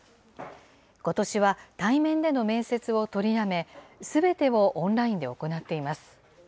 ことしは対面での面接を取りやめ、すべてをオンラインで行っています。